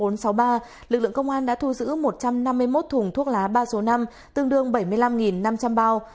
lực lượng công an đã thu giữ một trăm năm mươi một thùng thuốc lá ba số năm tương đương bảy mươi năm năm trăm linh bao